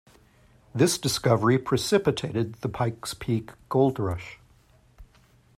This discovery precipitated the Pike's Peak Gold Rush.